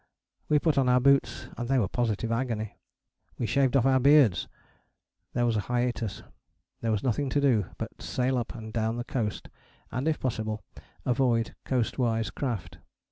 We put on our boots, and they were positively agony. We shaved off our beards! There was a hiatus. There was nothing to do but sail up and down the coast and, if possible, avoid coastwise craft.